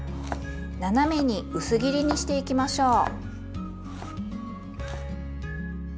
斜めに薄切りにしていきましょう。